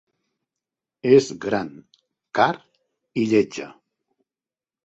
És gran, car, i lletja.